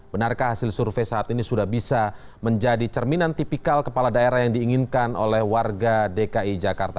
benarkah hasil survei saat ini sudah bisa menjadi cerminan tipikal kepala daerah yang diinginkan oleh warga dki jakarta